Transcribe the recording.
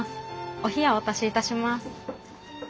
お冷やお足しいたします。